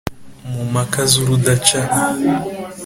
mu mpaka z’urudaca